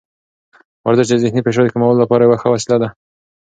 ورزش د ذهني فشار د کمولو لپاره یوه ښه وسیله ده.